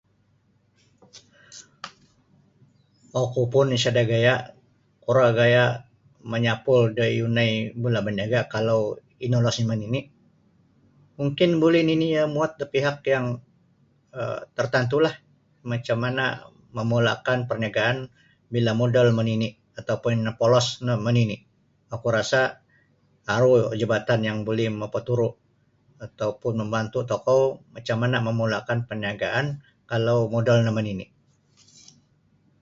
Oku pun isada gaya kuro gaya manyapul da yunai mula baniaga kalau inolosnyo manini mungkin buli nini iyo muot da pihak yang um tertantulah macam mana memulakan perniagaan bila modal manini ataupun nopolos no manini oku rasa aru jabatan yang buli mapaturu' ataupun membantu tokou macam mana mamulakan perniagaan kalau modal no manini.